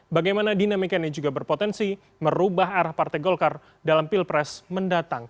bagaimana dinamika ini juga berpotensi merubah arah partai golkar dalam pilpres mendatang